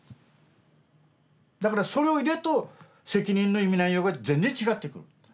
だからそれを入れると責任の意味内容が全然違ってくる。